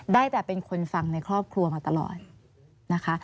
ได้แต่เป็นคนฟังในครอบครัวมาตลอดนะคะ